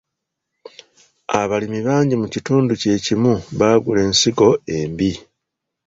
Abalimi bangi mu kitundu kye kimu baagula ensigo embi.